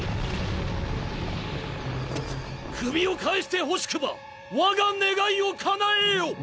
首を返してほしくばわが願いをかなえよ。